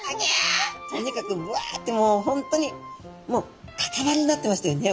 とにかくうわってもう本当にもうかたまりになってましたよね